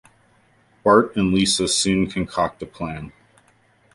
Bart and Lisa soon concoct a plan.